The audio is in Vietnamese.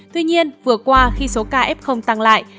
tuy nhiên vừa qua khi số ca f tăng lại